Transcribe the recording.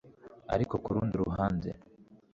ariko ku rundi ruhande